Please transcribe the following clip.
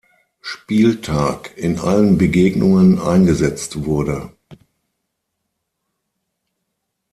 Spieltag in allen Begegnungen eingesetzt wurde.